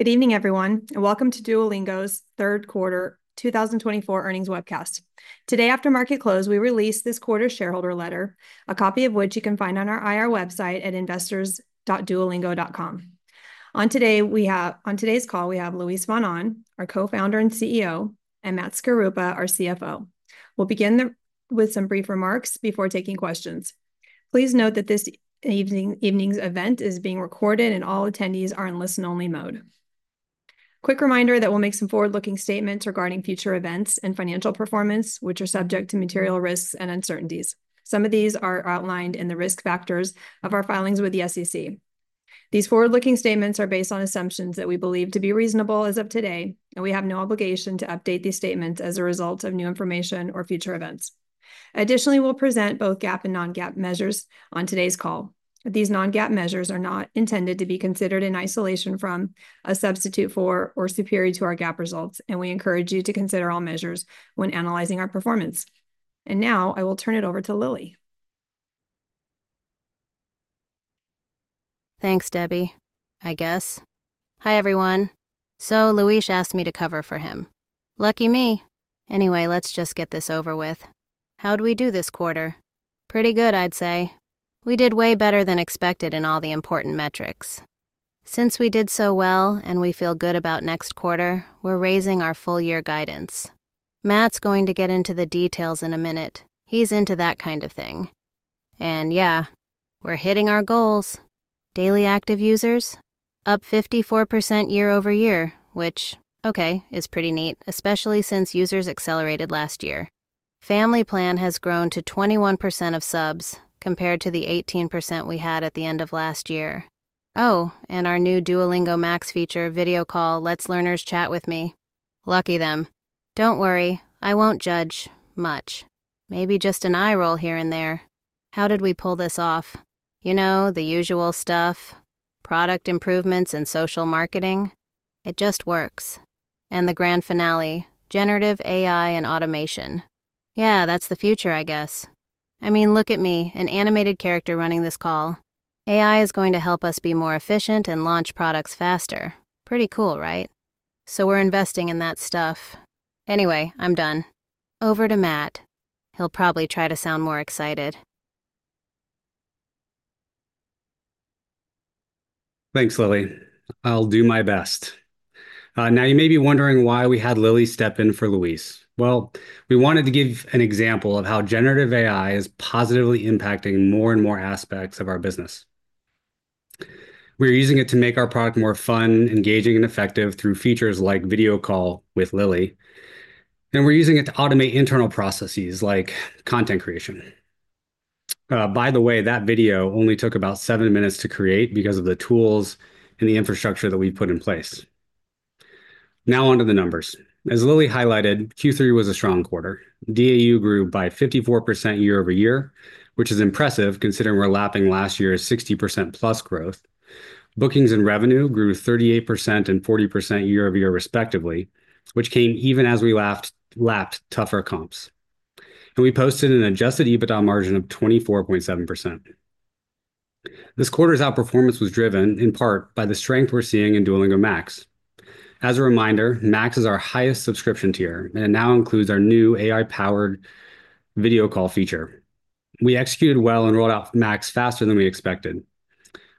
Good evening, everyone, and welcome to Duolingo's Third Quarter 2024 Earnings Webcast. Today, after market close, we release this quarter's shareholder letter, a copy of which you can find on our IR website at investors.duolingo.com. On today's call, we have Luis von Ahn, our co-founder and CEO, and Matt Skaruppa, our CFO. We'll begin with some brief remarks before taking questions. Please note that this evening's event is being recorded, and all attendees are in listen-only mode. Quick reminder that we'll make some forward-looking statements regarding future events and financial performance, which are subject to material risks and uncertainties. Some of these are outlined in the risk factors of our filings with the SEC. These forward-looking statements are based on assumptions that we believe to be reasonable as of today, and we have no obligation to update these statements as a result of new information or future events. Additionally, we'll present both GAAP and non-GAAP measures on today's call. These non-GAAP measures are not intended to be considered in isolation from a substitute for, or superior to our GAAP results, and we encourage you to consider all measures when analyzing our performance. And now I will turn it over to Lily. Thanks, Debbie, I guess. Hi everyone. So, Luis asked me to cover for him. Lucky me. Anyway, let's just get this over with. How'd we do this quarter? Pretty good, I'd say. We did way better than expected in all the important metrics. Since we did so well and we feel good about next quarter, we're raising our full-year guidance. Matt's going to get into the details in a minute. He's into that kind of thing, and yeah, we're hitting our goals. Daily active users? Up 54% year over year, which, okay, is pretty neat, especially since users accelerated last year. Family Plan has grown to 21% of subs compared to the 18% we had at the end of last year. Oh, and our new Duolingo Max feature Video Call lets learners chat with me. Lucky them. Don't worry, I won't judge much. Maybe just an eye roll here and there. How did we pull this off? You know, the usual stuff. Product improvements and social marketing. It just works, and the grand finale: generative AI and automation. Yeah, that's the future, I guess. I mean, look at me, an animated character running this call. AI is going to help us be more efficient and launch products faster. Pretty cool, right, so we're investing in that stuff. Anyway, I'm done. Over to Matt. He'll probably try to sound more excited. Thanks, Lily. I'll do my best. Now, you may be wondering why we had Lily step in for Luis. Well, we wanted to give an example of how generative AI is positively impacting more and more aspects of our business. We're using it to make our product more fun, engaging, and effective through features like Video Call with Lily. And we're using it to automate internal processes like content creation. By the way, that video only took about seven minutes to create because of the tools and the infrastructure that we've put in place. Now onto the numbers. As Lily highlighted, Q3 was a strong quarter. DAU grew by 54% year over year, which is impressive considering we're lapping last year's 60% plus growth. Bookings and revenue grew 38% and 40% year over year, respectively, which came even as we lapped tougher comps. And we posted an adjusted EBITDA margin of 24.7%. This quarter's outperformance was driven in part by the strength we're seeing in Duolingo Max. As a reminder, Max is our highest subscription tier, and it now includes our new AI-powered video call feature. We executed well and rolled out Max faster than we expected.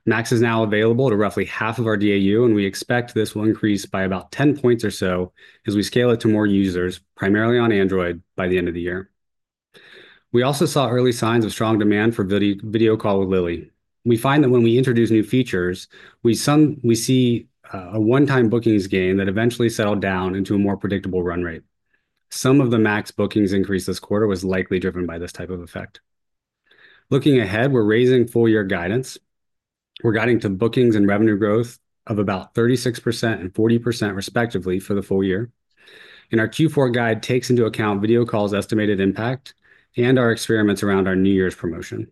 Max is now available to roughly half of our DAU, and we expect this will increase by about 10 points or so as we scale it to more users, primarily on Android, by the end of the year. We also saw early signs of strong demand for Video Call with Lily. We find that when we introduce new features, we see a one-time bookings gain that eventually settled down into a more predictable run rate. Some of the Max bookings increase this quarter was likely driven by this type of effect. Looking ahead, we're raising full-year guidance. We're guiding to bookings and revenue growth of about 36% and 40%, respectively, for the full year, and our Q4 guide takes into account video calls' estimated impact and our experiments around our New Year's promotion.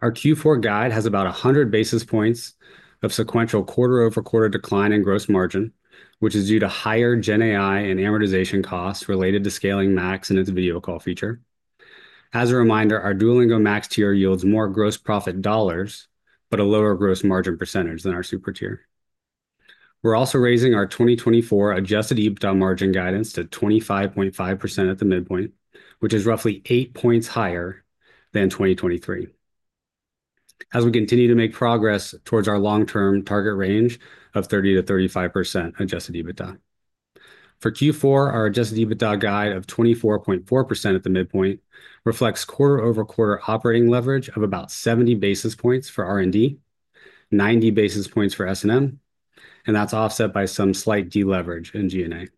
Our Q4 guide has about 100 basis points of sequential quarter-over-quarter decline in gross margin, which is due to higher GenAI and amortization costs related to scaling Max and its video call feature. As a reminder, our Duolingo Max tier yields more gross profit dollars, but a lower gross margin percentage than our Super tier. We're also raising our 2024 adjusted EBITDA margin guidance to 25.5% at the midpoint, which is roughly eight points higher than 2023, as we continue to make progress towards our long-term target range of 30%-35% adjusted EBITDA. For Q4, our Adjusted EBITDA guide of 24.4% at the midpoint reflects quarter-over-quarter operating leverage of about 70 basis points for R&D, 90 basis points for S&M, and that's offset by some slight deleverage in G&A.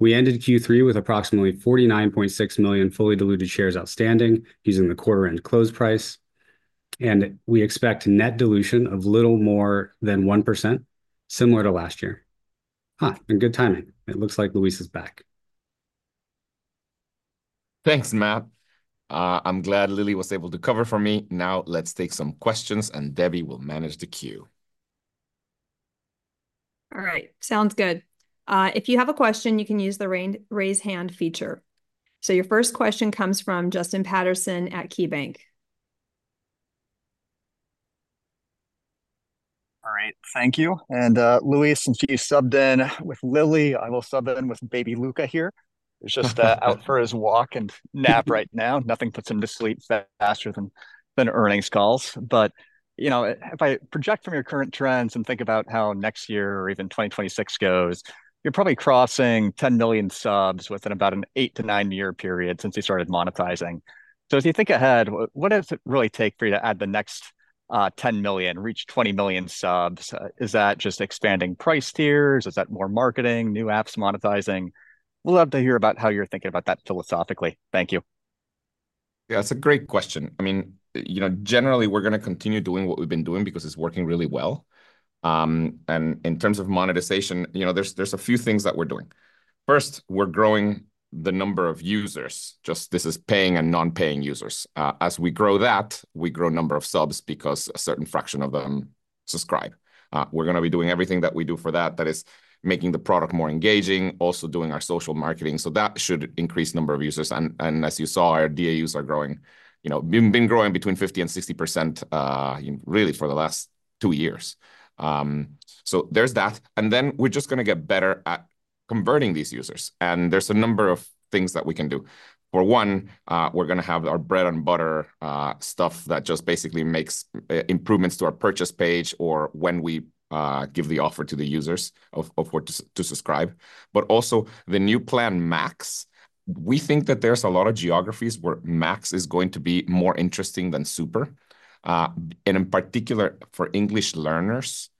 We ended Q3 with approximately 49.6 million fully diluted shares outstanding using the quarter-end close price, and we expect net dilution of little more than 1%, similar to last year. And good timing. It looks like Luis is back. Thanks, Matt. I'm glad Lily was able to cover for me. Now let's take some questions, and Debbie will manage the queue. All right, sounds good. If you have a question, you can use the raise hand feature. So your first question comes from Justin Patterson at KeyBanc. All right, thank you. And Luis, since you subbed in with Lily, I will sub in with baby Luca here. He's just out for his walk and nap right now. Nothing puts him to sleep faster than earnings calls. But, you know, if I project from your current trends and think about how next year or even 2026 goes, you're probably crossing 10 million subs within about an eight- to nine-year period since you started monetizing. So as you think ahead, what does it really take for you to add the next 10 million, reach 20 million subs? Is that just expanding price tiers? Is that more marketing, new apps monetizing? We'd love to hear about how you're thinking about that philosophically. Thank you. Yeah, it's a great question. I mean, you know, generally, we're going to continue doing what we've been doing because it's working really well. And in terms of monetization, you know, there's a few things that we're doing. First, we're growing the number of users. Just this is paying and non-paying users. As we grow that, we grow a number of subs because a certain fraction of them subscribe. We're going to be doing everything that we do for that, that is making the product more engaging, also doing our social marketing. So that should increase the number of users. And as you saw, our DAUs are growing, you know, been growing between 50% and 60%, really, for the last two years. So there's that. And then we're just going to get better at converting these users. And there's a number of things that we can do. For one, we're going to have our bread-and-butter stuff that just basically makes improvements to our purchase page or when we give the offer to the users of what to subscribe, but also the new plan, Max. We think that there's a lot of geographies where Max is going to be more interesting than Super. And in particular, for English learners,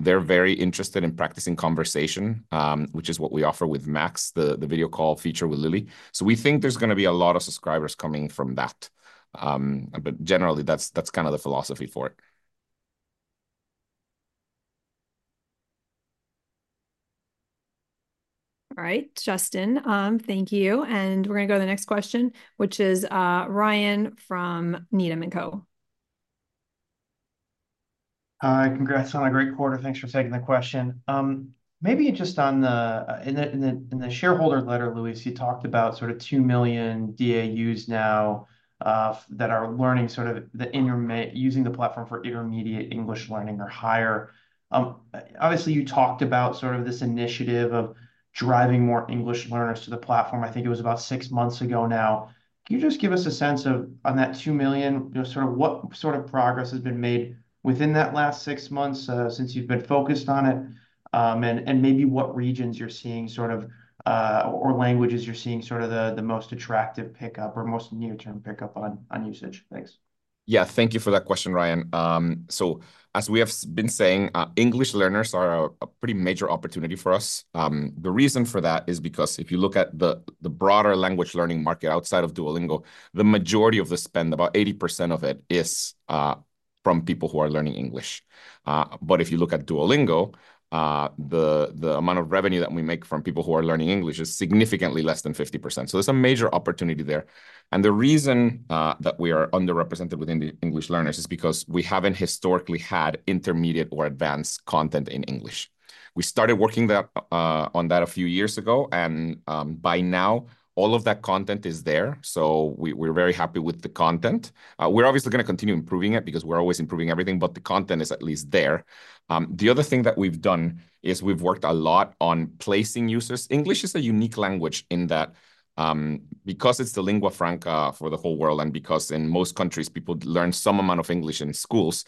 they're very interested in practicing conversation, which is what we offer with Max, the Video Call with Lily. So we think there's going to be a lot of subscribers coming from that, but generally, that's kind of the philosophy for it. All right, Justin, thank you, and we're going to go to the next question, which is Ryan from Needham & Co. Hi, congrats on a great quarter. Thanks for taking the question. Maybe just on the shareholder letter, Luis, you talked about sort of two million DAUs now that are learning sort of using the platform for intermediate English learning or higher. Obviously, you talked about sort of this initiative of driving more English learners to the platform. I think it was about six months ago now. Can you just give us a sense of, on that two million, sort of what sort of progress has been made within that last six months since you've been focused on it? And maybe what regions you're seeing sort of, or languages you're seeing sort of the most attractive pickup or most near-term pickup on usage? Thanks. Yeah, thank you for that question, Ryan. So as we have been saying, English learners are a pretty major opportunity for us. The reason for that is because if you look at the broader language learning market outside of Duolingo, the majority of the spend, about 80% of it, is from people who are learning English. But if you look at Duolingo, the amount of revenue that we make from people who are learning English is significantly less than 50%. So there's a major opportunity there. And the reason that we are underrepresented within the English learners is because we haven't historically had intermediate or advanced content in English. We started working on that a few years ago, and by now, all of that content is there. So we're very happy with the content. We're obviously going to continue improving it because we're always improving everything, but the content is at least there. The other thing that we've done is we've worked a lot on placing users. English is a unique language in that because it's the lingua franca for the whole world, and because in most countries, people learn some amount of English in schools,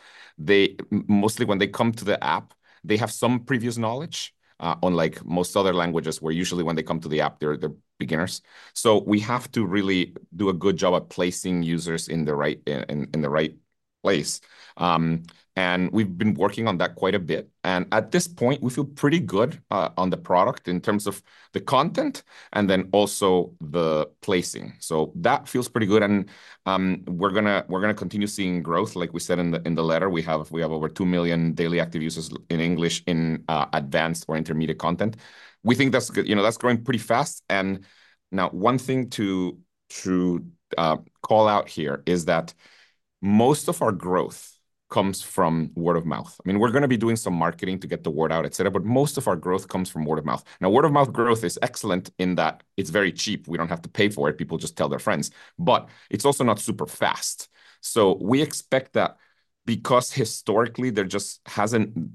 mostly when they come to the app, they have some previous knowledge unlike most other languages where usually when they come to the app, they're beginners. So we have to really do a good job at placing users in the right place. And we've been working on that quite a bit. And at this point, we feel pretty good on the product in terms of the content and then also the placing. So that feels pretty good. And we're going to continue seeing growth. Like we said in the letter, we have over 2 million daily active users in English in advanced or intermediate content. We think that's going pretty fast. And now one thing to call out here is that most of our growth comes from word of mouth. I mean, we're going to be doing some marketing to get the word out, et cetera, but most of our growth comes from word of mouth. Now, word of mouth growth is excellent in that it's very cheap. We don't have to pay for it. People just tell their friends. But it's also not super fast. So we expect that because historically, there just hasn't been.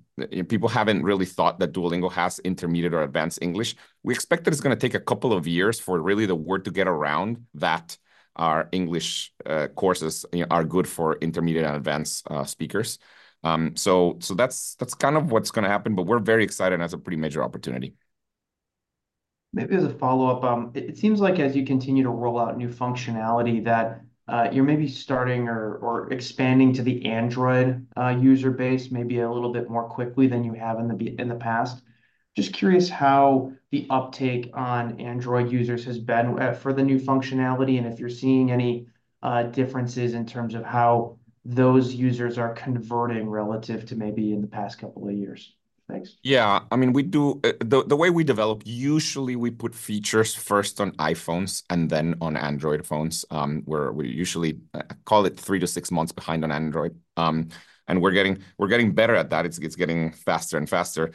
People haven't really thought that Duolingo has intermediate or advanced English. We expect that it's going to take a couple of years for really the word to get around that our English courses are good for intermediate and advanced speakers. So that's kind of what's going to happen, but we're very excited and that's a pretty major opportunity. Maybe as a follow-up, it seems like as you continue to roll out new functionality, that you're maybe starting or expanding to the Android user base maybe a little bit more quickly than you have in the past. Just curious how the uptake on Android users has been for the new functionality and if you're seeing any differences in terms of how those users are converting relative to maybe in the past couple of years. Thanks. Yeah, I mean, we do the way we develop. Usually we put features first on iPhones and then on Android phones. We usually call it three to six months behind on Android. And we're getting better at that. It's getting faster and faster.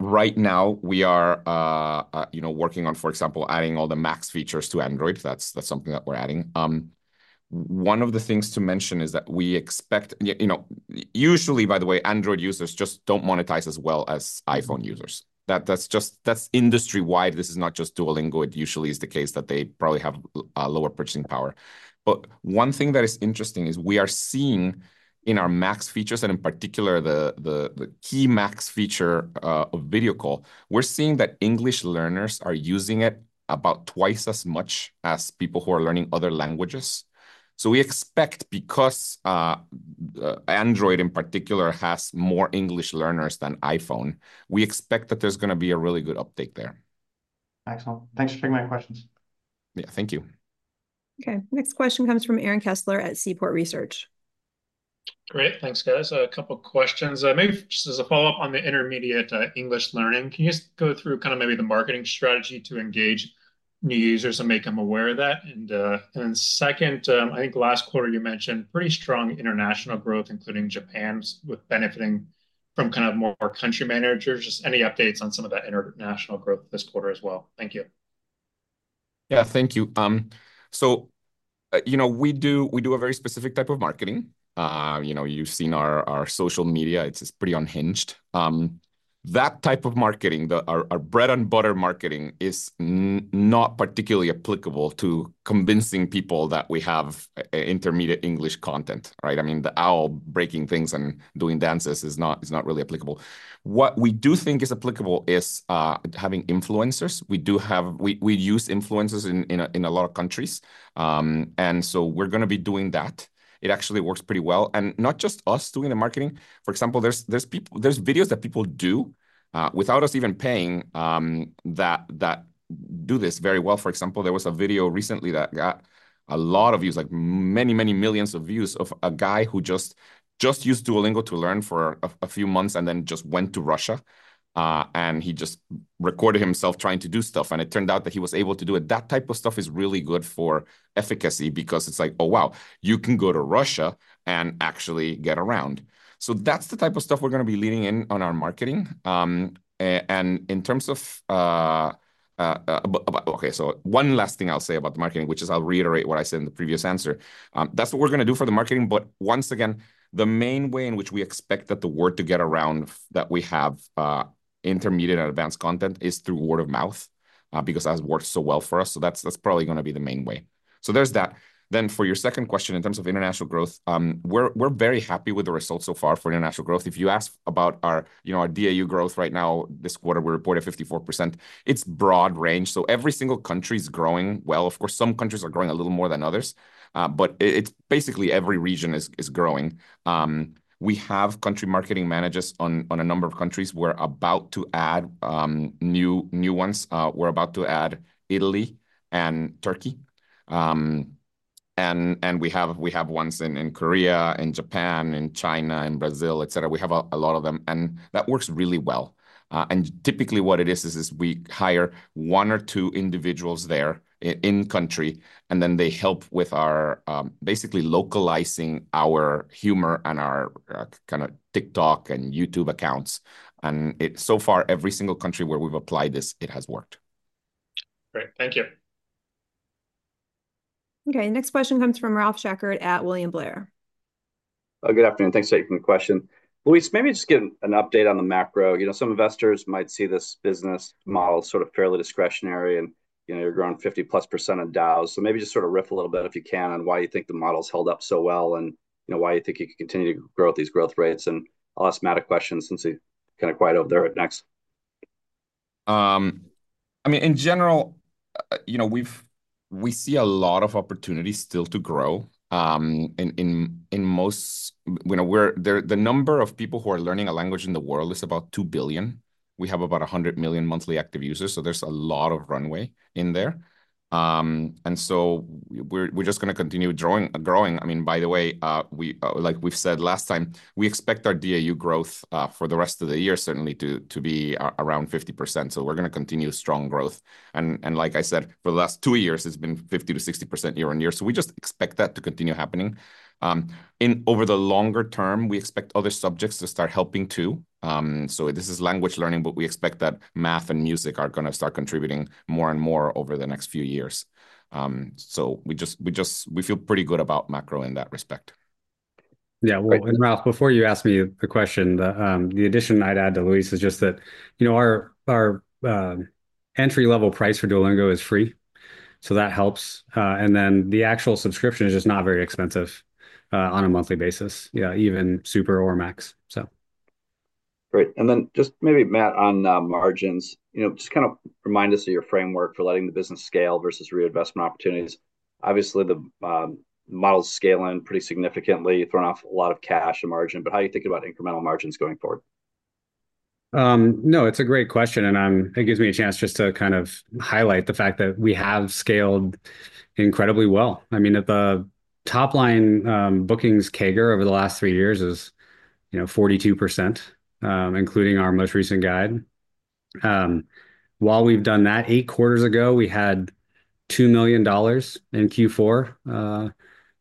Right now, we are working on, for example, adding all the Max features to Android. That's something that we're adding. One of the things to mention is that we expect, you know, usually, by the way, Android users just don't monetize as well as iPhone users. That's industry-wide. This is not just Duolingo. It usually is the case that they probably have lower purchasing power. But one thing that is interesting is we are seeing in our Max features, and in particular, the key Max feature of video call, we're seeing that English learners are using it about twice as much as people who are learning other languages. So we expect, because Android in particular has more English learners than iPhone, we expect that there's going to be a really good uptake there. Excellent. Thanks for taking my questions. Yeah, thank you. Okay, next question comes from Aaron Kessler at Seaport Research. Great, thanks, guys. A couple of questions. Maybe just as a follow-up on the intermediate English learning, can you just go through kind of maybe the marketing strategy to engage new users and make them aware of that? And then second, I think last quarter, you mentioned pretty strong international growth, including Japan, with benefiting from kind of more country managers. Just any updates on some of that international growth this quarter as well? Thank you. Yeah, thank you. So, you know, we do a very specific type of marketing. You've seen our social media. It's pretty unhinged. That type of marketing, our bread-and-butter marketing, is not particularly applicable to convincing people that we have intermediate English content, right? I mean, the owl breaking things and doing dances is not really applicable. What we do think is applicable is having influencers. We use influencers in a lot of countries. And so we're going to be doing that. It actually works pretty well. And not just us doing the marketing. For example, there's videos that people do without us even paying that do this very well. For example, there was a video recently that got a lot of views, like many, many millions of views, of a guy who just used Duolingo to learn for a few months and then just went to Russia. He just recorded himself trying to do stuff. And it turned out that he was able to do it. That type of stuff is really good for efficacy because it's like, oh, wow, you can go to Russia and actually get around. So that's the type of stuff we're going to be leaning in on our marketing. And in terms of, okay, so one last thing I'll say about the marketing, which is I'll reiterate what I said in the previous answer. That's what we're going to do for the marketing. But once again, the main way in which we expect that the word to get around that we have intermediate and advanced content is through word of mouth because that has worked so well for us. So that's probably going to be the main way. So there's that. Then for your second question, in terms of international growth, we're very happy with the results so far for international growth. If you ask about our DAU growth right now, this quarter, we reported 54%. It's broad range. So every single country is growing well. Of course, some countries are growing a little more than others, but it's basically every region is growing. We have country marketing managers on a number of countries. We're about to add new ones. We're about to add Italy and Turkey. And we have ones in Korea, in Japan, in China, in Brazil, et cetera. We have a lot of them. And that works really well. And typically what it is, is we hire one or two individuals there in country, and then they help with our basically localizing our humor and our kind of TikTok and YouTube accounts. So far, every single country where we've applied this, it has worked. Great, thank you. Okay, next question comes from Ralph Schackert at William Blair. Good afternoon. Thanks for taking the question. Luis, maybe just give an update on the macro. Some investors might see this business model sort of fairly discretionary, and you're growing 50+% in DAU. So maybe just sort of riff a little bit if you can on why you think the model's held up so well and why you think you can continue to grow at these growth rates. And I'll ask Matt a question since he kind of quieted over there next. I mean, in general, we see a lot of opportunities still to grow in most. The number of people who are learning a language in the world is about two billion. We have about 100 million monthly active users. So there's a lot of runway in there. And so we're just going to continue growing. I mean, by the way, like we've said last time, we expect our DAU growth for the rest of the year certainly to be around 50%. So we're going to continue strong growth. And like I said, for the last two years, it's been 50%-60% year on year. So we just expect that to continue happening. Over the longer term, we expect other subjects to start helping too. So this is language learning, but we expect that math and music are going to start contributing more and more over the next few years. So we feel pretty good about macro in that respect. Yeah, well, and Ralph, before you ask me the question, the addition I'd add to Luis is just that our entry-level price for Duolingo is free. So that helps. And then the actual subscription is just not very expensive on a monthly basis, even Super or Max. Great. And then just maybe, Matt, on margins, just kind of remind us of your framework for letting the business scale versus reinvestment opportunities. Obviously, the model's scaling pretty significantly, throwing off a lot of cash and margin. But how are you thinking about incremental margins going forward? No, it's a great question. And it gives me a chance just to kind of highlight the fact that we have scaled incredibly well. I mean, the top-line bookings CAGR over the last three years is 42%, including our most recent guide. While we've done that, eight quarters ago, we had $2 million in Q4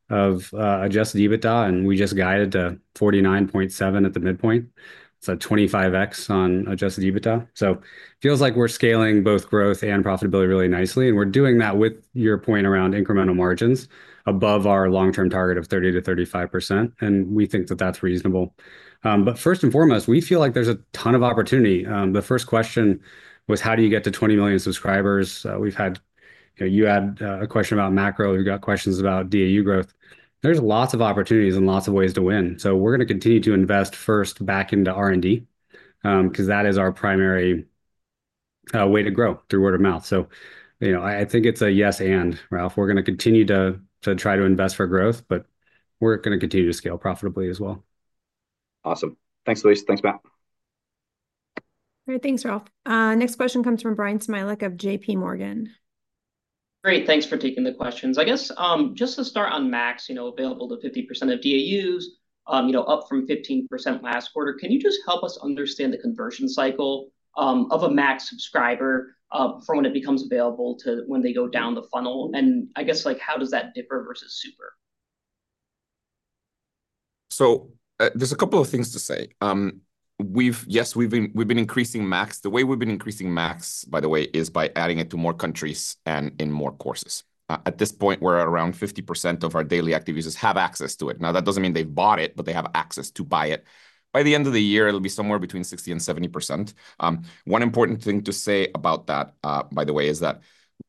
of Adjusted EBITDA, and we just guided to 49.7 at the midpoint. It's a 25x on Adjusted EBITDA. So it feels like we're scaling both growth and profitability really nicely. And we're doing that with your point around incremental margins above our long-term target of 30%-35%. And we think that that's reasonable. But first and foremost, we feel like there's a ton of opportunity. The first question was, how do you get to 20 million subscribers? You had a question about macro. We've got questions about DAU growth. There's lots of opportunities and lots of ways to win. So we're going to continue to invest first back into R&D because that is our primary way to grow through word of mouth. So I think it's a yes and, Ralph. We're going to continue to try to invest for growth, but we're going to continue to scale profitably as well. Awesome. Thanks, Luis. Thanks, Matt. All right, thanks, Ralph. Next question comes from Bryan Smilek of J.P. Morgan. Great. Thanks for taking the questions. I guess just to start on Max, available to 50% of DAUs, up from 15% last quarter. Can you just help us understand the conversion cycle of a Max subscriber from when it becomes available to when they go down the funnel? And I guess how does that differ versus Super? So there's a couple of things to say. Yes, we've been increasing Max. The way we've been increasing Max, by the way, is by adding it to more countries and in more courses. At this point, we're at around 50% of our daily active users have access to it. Now, that doesn't mean they've bought it, but they have access to buy it. By the end of the year, it'll be somewhere between 60% and 70%. One important thing to say about that, by the way, is that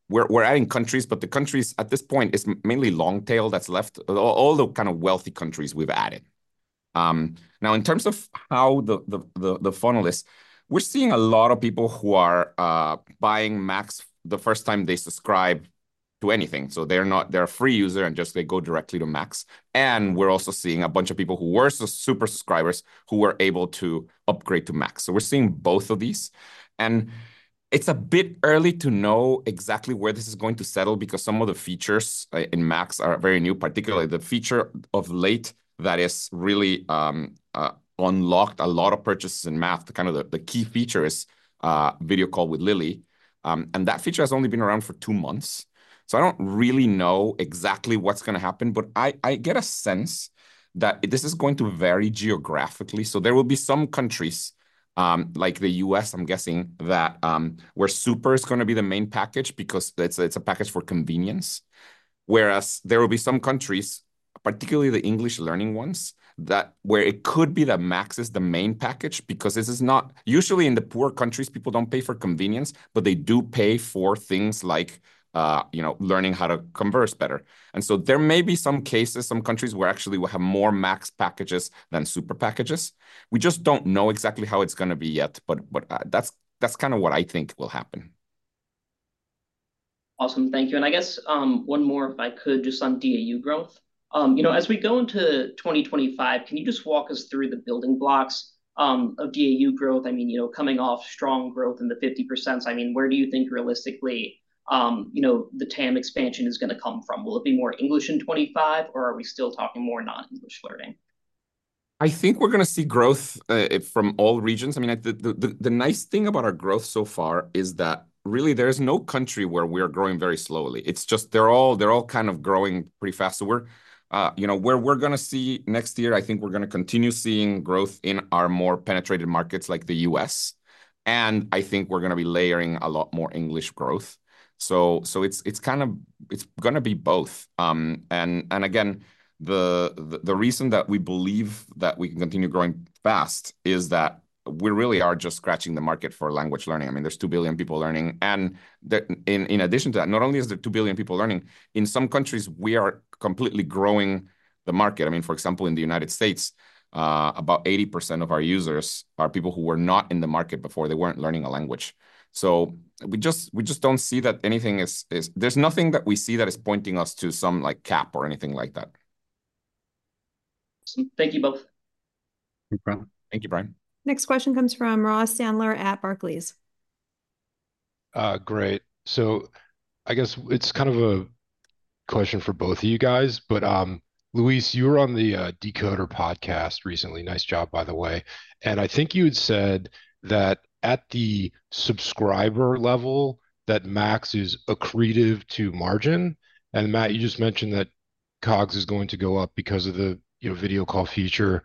we're adding countries, but the countries at this point is mainly long-tail that's left, all the kind of wealthy countries we've added. Now, in terms of how the funnel is, we're seeing a lot of people who are buying Max the first time they subscribe to anything. So they're a free user and just they go directly to Max. We're also seeing a bunch of people who were Super subscribers who were able to upgrade to Max. So we're seeing both of these. And it's a bit early to know exactly where this is going to settle because some of the features in Max are very new, particularly the feature of late that has really unlocked a lot of purchases in Math. Kind of the key feature is Video Call with Lily. And that feature has only been around for two months. So I don't really know exactly what's going to happen, but I get a sense that this is going to vary geographically. So there will be some countries, like the U.S., I'm guessing, that where Super is going to be the main package because it's a package for convenience. Whereas there will be some countries, particularly the English learning ones, where it could be that Max is the main package because this is not usually in the poor countries, people don't pay for convenience, but they do pay for things like learning how to converse better, and so there may be some cases, some countries where actually we have more Max packages than Super packages. We just don't know exactly how it's going to be yet, but that's kind of what I think will happen. Awesome. Thank you. And I guess one more, if I could, just on DAU growth. As we go into 2025, can you just walk us through the building blocks of DAU growth? I mean, coming off strong growth in the 50%, I mean, where do you think realistically the TAM expansion is going to come from? Will it be more English in '25, or are we still talking more non-English learning? I think we're going to see growth from all regions. I mean, the nice thing about our growth so far is that really there is no country where we are growing very slowly. It's just they're all kind of growing pretty fast. So where we're going to see next year, I think we're going to continue seeing growth in our more penetrated markets like the U.S. And I think we're going to be layering a lot more English growth. So it's kind of going to be both. And again, the reason that we believe that we can continue growing fast is that we really are just scratching the market for language learning. I mean, there's 2 billion people learning. And in addition to that, not only is there 2 billion people learning, in some countries, we are completely growing the market. I mean, for example, in the United States, about 80% of our users are people who were not in the market before. They weren't learning a language. So we just don't see that anything is. There's nothing that we see that is pointing us to some cap or anything like that. Thank you both. Thank you, Brian. Next question comes from Ross Sandler at Barclays. Great. So I guess it's kind of a question for both of you guys. But Luis, you were on the Decoder Podcast recently. Nice job, by the way. And I think you had said that at the subscriber level, that Max is accretive to margin. And Matt, you just mentioned that COGS is going to go up because of the video call feature,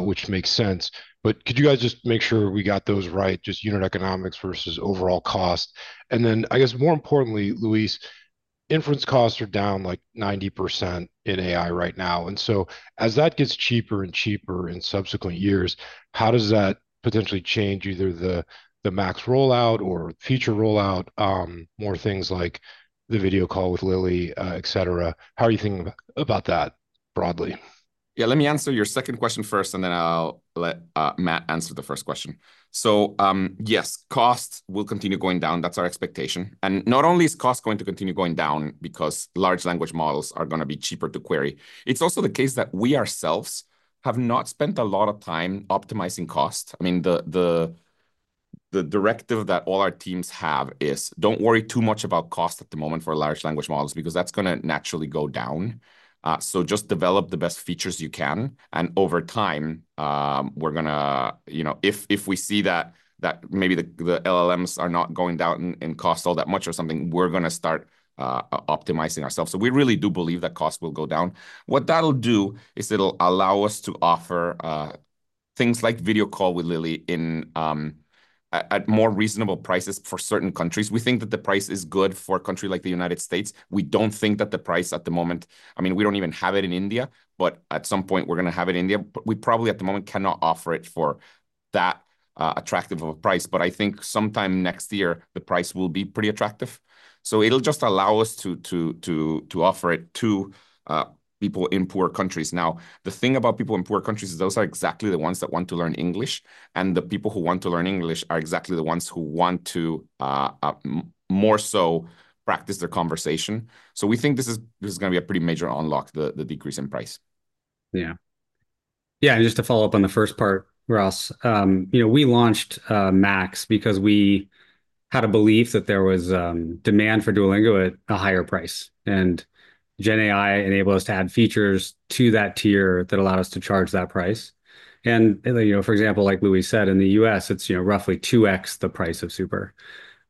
which makes sense. But could you guys just make sure we got those right? Just unit economics versus overall cost. And then I guess more importantly, Luis, inference costs are down like 90% in AI right now. And so as that gets cheaper and cheaper in subsequent years, how does that potentially change either the Max rollout or future rollout, more things like the video call with Lily, et cetera? How are you thinking about that broadly? Yeah, let me answer your second question first, and then I'll let Matt answer the first question. So yes, costs will continue going down. That's our expectation. And not only is cost going to continue going down because large language models are going to be cheaper to query, it's also the case that we ourselves have not spent a lot of time optimizing cost. I mean, the directive that all our teams have is, don't worry too much about cost at the moment for large language models because that's going to naturally go down. So just develop the best features you can. And over time, we're going to, if we see that maybe the LLMs are not going down in cost all that much or something, we're going to start optimizing ourselves. So we really do believe that cost will go down. What that'll do is it'll allow us to offer things like Video Call with Lily at more reasonable prices for certain countries. We think that the price is good for a country like the United States. We don't think that the price at the moment I mean, we don't even have it in India, but at some point, we're going to have it in India. But we probably at the moment cannot offer it for that attractive of a price. But I think sometime next year, the price will be pretty attractive. So it'll just allow us to offer it to people in poor countries. Now, the thing about people in poor countries, those are exactly the ones that want to learn English. And the people who want to learn English are exactly the ones who want to more so practice their conversation. We think this is going to be a pretty major unlock, the decrease in price. Yeah. Yeah, and just to follow up on the first part, Ross, we launched Max because we had a belief that there was demand for Duolingo at a higher price. GenAI enabled us to add features to that tier that allowed us to charge that price. For example, like Luis said, in the US, it's roughly 2x the price of Super.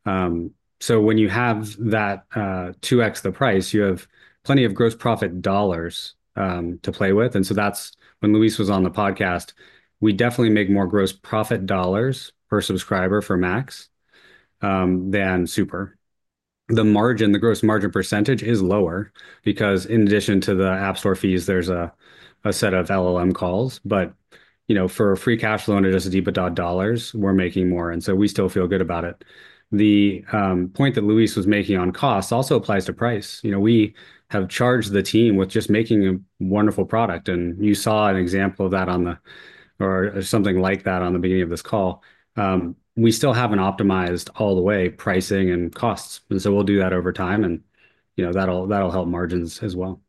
So when you have that 2x the price, you have plenty of gross profit dollars to play with. That's when Luis was on the podcast. We definitely make more gross profit dollars per subscriber for Max than Super. The gross margin percentage is lower because in addition to the App Store fees, there's a set of LLM calls. But for a free cash flow or just EBITDA dollars, we're making more. We still feel good about it. The point that Luis was making on costs also applies to price. We have charged the team with just making a wonderful product. And you saw an example of that or something like that on the beginning of this call. We still haven't optimized all the way pricing and costs. And so we'll do that over time. And that'll help margins as well.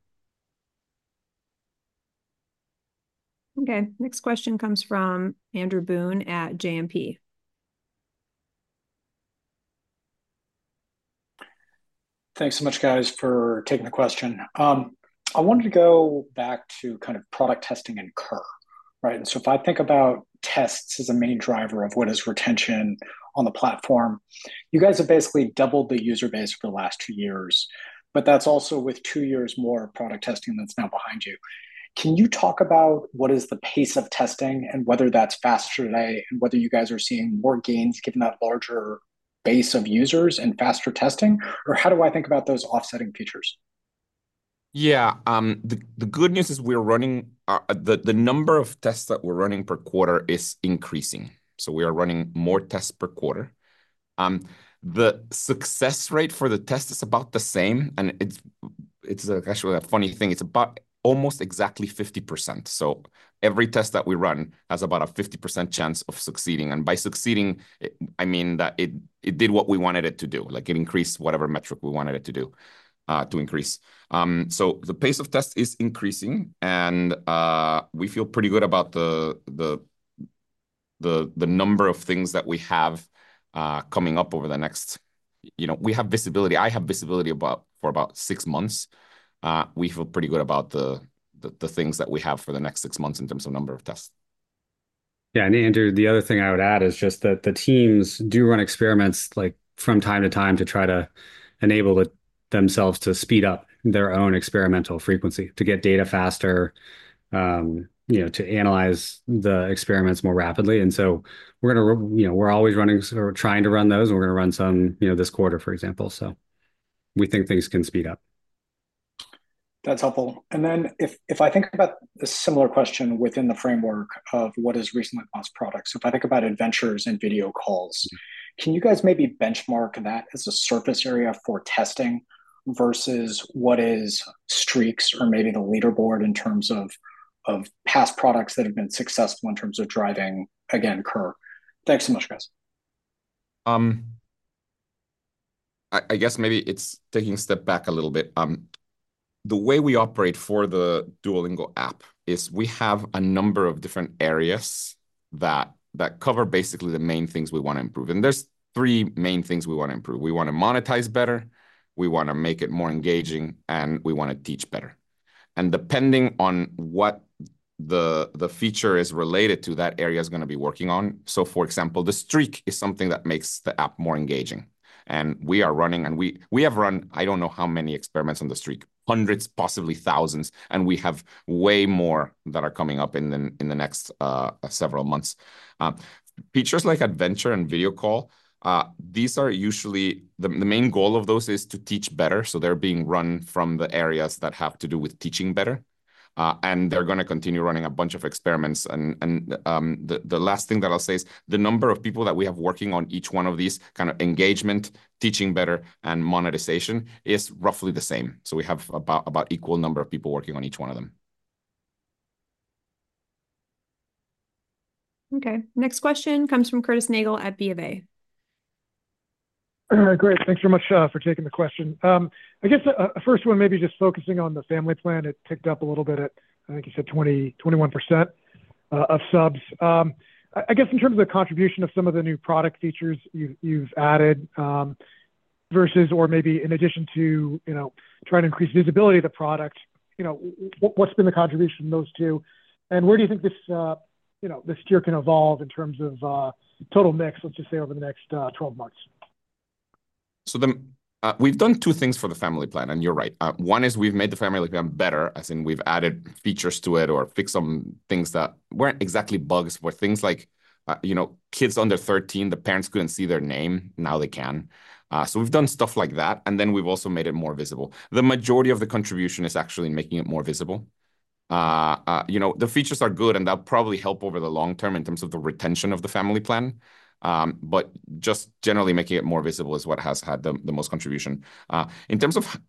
Okay. Next question comes from Andrew Boone at JMP. Thanks so much, guys, for taking the question. I wanted to go back to kind of product testing and CURR, right? And so if I think about tests as a main driver of what is retention on the platform, you guys have basically doubled the user base for the last two years. But that's also with two years more product testing that's now behind you. Can you talk about what is the pace of testing and whether that's faster today and whether you guys are seeing more gains given that larger base of users and faster testing? Or how do I think about those offsetting features? Yeah. The good news is the number of tests that we're running per quarter is increasing. So we are running more tests per quarter. The success rate for the test is about the same. And it's actually a funny thing. It's about almost exactly 50%. So every test that we run has about a 50% chance of succeeding. And by succeeding, I mean that it did what we wanted it to do, like it increased whatever metric we wanted it to do to increase. So the pace of test is increasing. And we feel pretty good about the number of things that we have coming up over the next we have visibility. I have visibility for about six months. We feel pretty good about the things that we have for the next six months in terms of number of tests. Yeah. And Andrew, the other thing I would add is just that the teams do run experiments from time to time to try to enable themselves to speed up their own experimental frequency to get data faster, to analyze the experiments more rapidly. And so we're going to. We're always running or trying to run those. And we're going to run some this quarter, for example. So we think things can speed up. That's helpful, and then if I think about a similar question within the framework of what is recently launched products, so if I think about Adventures and video calls, can you guys maybe benchmark that as a surface area for testing versus what is Streaks or maybe the Leaderboard in terms of past products that have been successful in terms of driving, again, CUR? Thanks so much, guys. I guess maybe it's taking a step back a little bit. The way we operate for the Duolingo app is we have a number of different areas that cover basically the main things we want to improve, and there's three main things we want to improve. We want to monetize better. We want to make it more engaging. And we want to teach better, and depending on what the feature is related to, that area is going to be working on. So for example, the Streaks is something that makes the app more engaging. And we are running and we have run, I don't know how many experiments on the Streaks, hundreds, possibly thousands. And we have way more that are coming up in the next several months. Features like Adventures and Video Call; these are usually the main goal of those is to teach better. So they're being run from the areas that have to do with teaching better. And they're going to continue running a bunch of experiments. And the last thing that I'll say is the number of people that we have working on each one of these kind of engagement, teaching better, and monetization is roughly the same. So we have about an equal number of people working on each one of them. Okay. Next question comes from Curtis Nagel at B of A. Great. Thanks very much for taking the question. I guess the first one, maybe just focusing on the family plan, it picked up a little bit at, I think you said 21% of subs. I guess in terms of the contribution of some of the new product features you've added versus or maybe in addition to trying to increase visibility of the product, what's been the contribution of those two? And where do you think this tier can evolve in terms of total mix, let's just say over the next 12 months? So we've done two things for the Family Plan. And you're right. One is we've made the Family Plan better. I think we've added features to it or fixed some things that weren't exactly bugs. But things like kids under 13, the parents couldn't see their name. Now they can. So we've done stuff like that. And then we've also made it more visible. The majority of the contribution is actually making it more visible. The features are good. And that'll probably help over the long term in terms of the retention of the Family Plan. But just generally making it more visible is what has had the most contribution. In terms of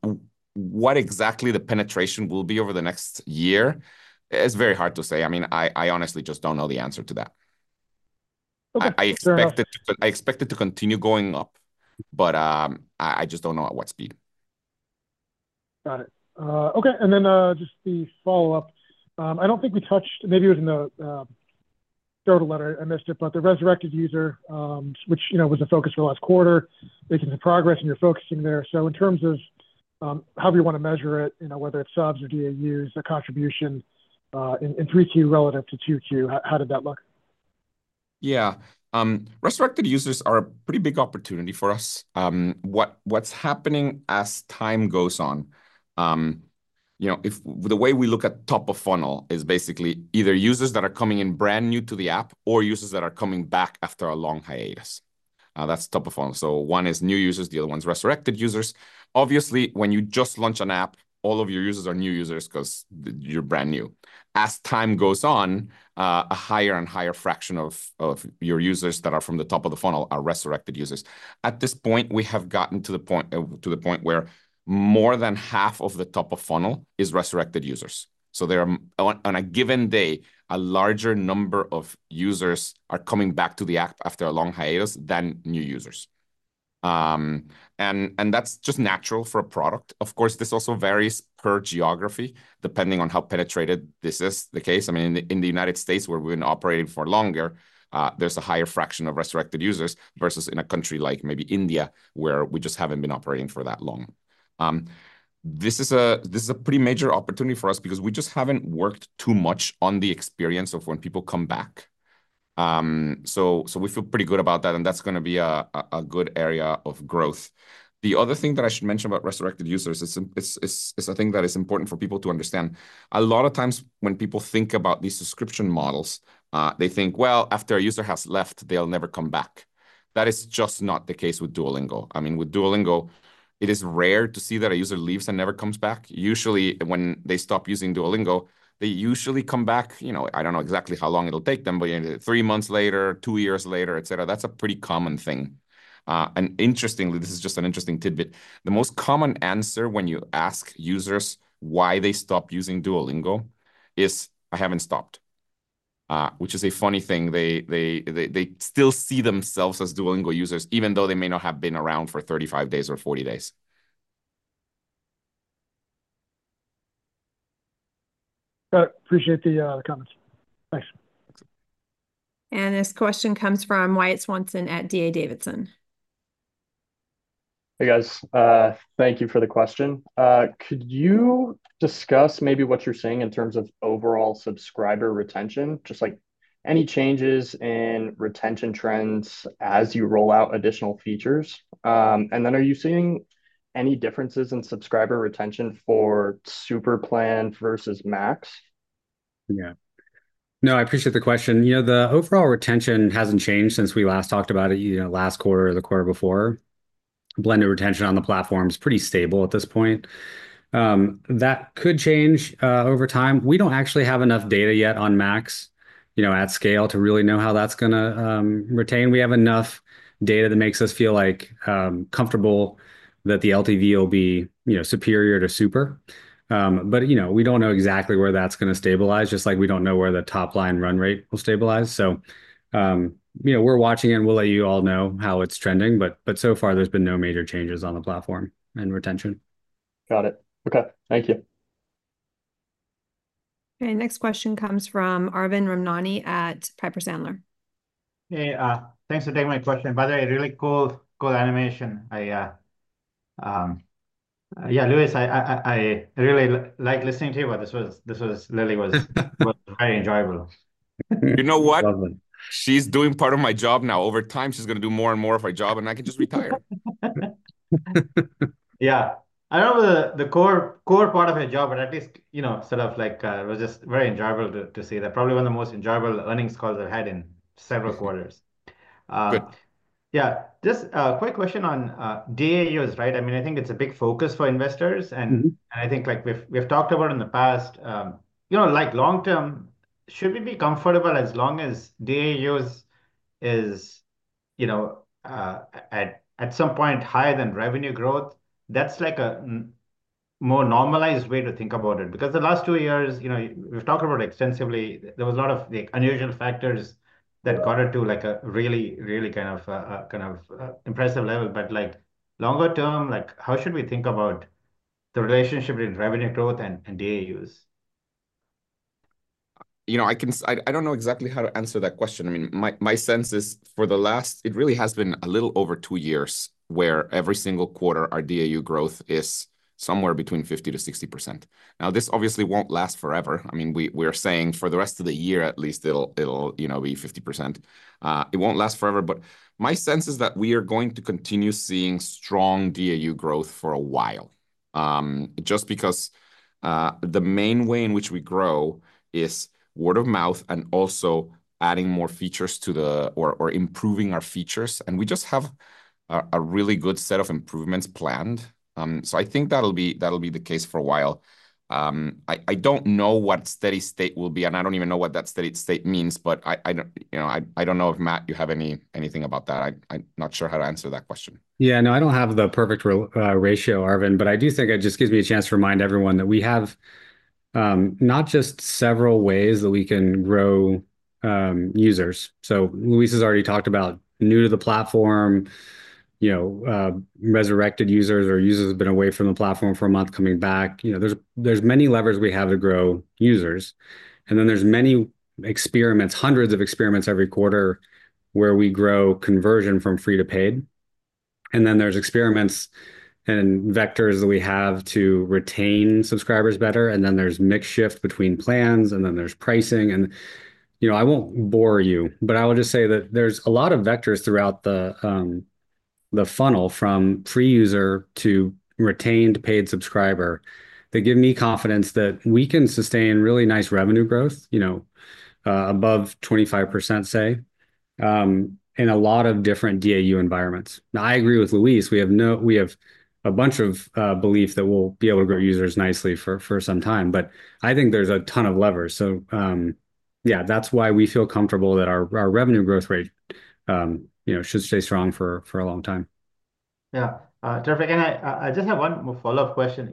what exactly the penetration will be over the next year, it's very hard to say. I mean, I honestly just don't know the answer to that. I expect it to continue going up. But I just don't know at what speed. Got it. Okay. And then just the follow-up. I don't think we touched. Maybe it was in the letter. I missed it. But the resurrected user, which was the focus for last quarter, making some progress. And you're focusing there. So in terms of how do you want to measure it, whether it's subs or DAUs, the contribution in 3Q relative to 2Q, how did that look? Yeah. Resurrected users are a pretty big opportunity for us. What's happening as time goes on, the way we look at top of funnel is basically either users that are coming in brand new to the app or users that are coming back after a long hiatus. That's top of funnel. So one is new users. The other one is resurrected users. Obviously, when you just launch an app, all of your users are new users because you're brand new. As time goes on, a higher and higher fraction of your users that are from the top of the funnel are resurrected users. At this point, we have gotten to the point where more than half of the top of funnel is resurrected users. So on a given day, a larger number of users are coming back to the app after a long hiatus than new users. And that's just natural for a product. Of course, this also varies per geography depending on how penetrated this is the case. I mean, in the United States, where we've been operating for longer, there's a higher fraction of resurrected users versus in a country like maybe India where we just haven't been operating for that long. This is a pretty major opportunity for us because we just haven't worked too much on the experience of when people come back. So we feel pretty good about that. And that's going to be a good area of growth. The other thing that I should mention about resurrected users is a thing that is important for people to understand. A lot of times when people think about these subscription models, they think, well, after a user has left, they'll never come back. That is just not the case with Duolingo. I mean, with Duolingo, it is rare to see that a user leaves and never comes back. Usually, when they stop using Duolingo, they usually come back. I don't know exactly how long it'll take them, but three months later, two years later, et cetera. That's a pretty common thing. And interestingly, this is just an interesting tidbit. The most common answer when you ask users why they stop using Duolingo is, "I haven't stopped," which is a funny thing. They still see themselves as Duolingo users even though they may not have been around for 35 days or 40 days. Appreciate the comments. Thanks. This question comes from Wyatt Swanson at D.A. Davidson. Hey, guys. Thank you for the question. Could you discuss maybe what you're seeing in terms of overall subscriber retention, just like any changes in retention trends as you roll out additional features? And then are you seeing any differences in subscriber retention for Super Plan versus Max? Yeah. No, I appreciate the question. The overall retention hasn't changed since we last talked about it last quarter or the quarter before. Blended retention on the platform is pretty stable at this point. That could change over time. We don't actually have enough data yet on Max at scale to really know how that's going to retain. We have enough data that makes us feel comfortable that the LTV will be superior to Super. But we don't know exactly where that's going to stabilize, just like we don't know where the top line run rate will stabilize. So we're watching, and we'll let you all know how it's trending, but so far, there's been no major changes on the platform and retention. Got it. Okay. Thank you. Okay. Next question comes from Arvin Ramnani at Piper Sandler. Hey. Thanks for taking my question. By the way, really cool animation. Yeah, Luis, I really like listening to you. But this was really very enjoyable. You know what? She's doing part of my job now. Over time, she's going to do more and more of her job, and I can just retire. Yeah. I don't know the core part of her job, but at least sort of like it was just very enjoyable to see that. Probably one of the most enjoyable earnings calls I've had in several quarters. Good. Yeah. Just a quick question on DAUs, right? I mean, I think it's a big focus for investors. And I think we've talked about it in the past. Like long term, should we be comfortable as long as DAUs is at some point higher than revenue growth? That's like a more normalized way to think about it. Because the last two years, we've talked about it extensively. There was a lot of unusual factors that got it to like a really, really kind of impressive level. But longer term, how should we think about the relationship between revenue growth and DAUs? I don't know exactly how to answer that question. I mean, my sense is for the last, it really has been a little over two years where every single quarter our DAU growth is somewhere between 50%-60%. Now, this obviously won't last forever. I mean, we are saying for the rest of the year, at least, it'll be 50%. It won't last forever. But my sense is that we are going to continue seeing strong DAU growth for a while just because the main way in which we grow is word of mouth and also adding more features to the app or improving our features. And we just have a really good set of improvements planned. So I think that'll be the case for a while. I don't know what steady state will be. And I don't even know what that steady state means. But I don't know if Matt, you have anything about that. I'm not sure how to answer that question. Yeah. No, I don't have the perfect ratio, Arvin. But I do think it just gives me a chance to remind everyone that we have not just several ways that we can grow users. So Luis has already talked about new to the platform, resurrected users, or users have been away from the platform for a month coming back. There's many levers we have to grow users. And then there's many experiments, hundreds of experiments every quarter where we grow conversion from free to paid. And then there's experiments and vectors that we have to retain subscribers better. And then there's mixed shift between plans. And then there's pricing. And I won't bore you. But I will just say that there's a lot of vectors throughout the funnel from pre-user to retained paid subscriber that give me confidence that we can sustain really nice revenue growth above 25%, say, in a lot of different DAU environments. Now, I agree with Luis. We have a bunch of belief that we'll be able to grow users nicely for some time. But I think there's a ton of levers. So yeah, that's why we feel comfortable that our revenue growth rate should stay strong for a long time. Yeah. Terrific. And I just have one more follow-up question.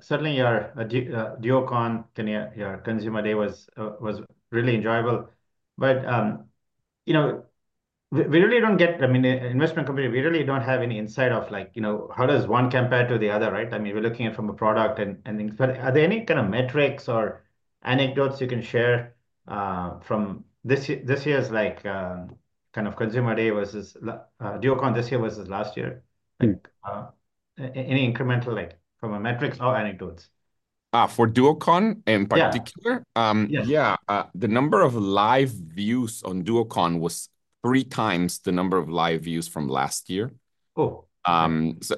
Certainly, your DuoCon Consumer Day was really enjoyable. But we really don't get. I mean, investment company, we really don't have any insight of how does one compare to the other, right? I mean, we're looking at it from a product. But are there any kind of metrics or anecdotes you can share from this year's kind of Consumer Day versus DuoCon this year versus last year? Any incremental from a metrics or anecdotes? For DuoCon in particular? Yeah. Yeah. The number of live views on DuoCon was three times the number of live views from last year, so